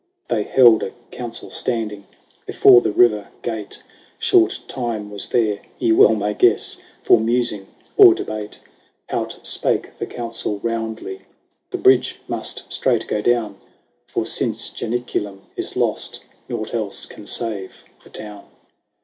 XIX. They held a council standing Before the River Gate ; Short time was there, ye well may guess. For musing or debate. HORATIUS. 53 Out spake the Consul roundly :" The bridge must straight go down ; For, since Janiculum is lost, Nought else can save the town."